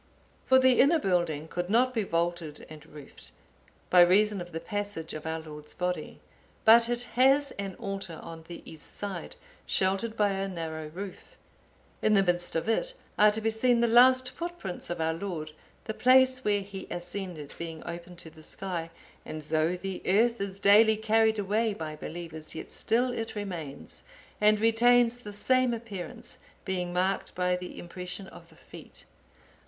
For the inner building could not be vaulted and roofed, by reason of the passage of our Lord's Body; but it has an altar on the east side, sheltered by a narrow roof. In the midst of it are to be seen the last Footprints of our Lord, the place where He ascended being open to the sky; and though the earth is daily carried away by believers, yet still it remains, and retains the same appearance, being marked by the impression of the Feet.